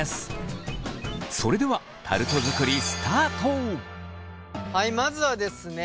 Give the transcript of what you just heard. それではタルト作りはいまずはですね